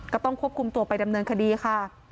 ก็ต้องควบคุมตัวไปดำเนินคดีค่ะ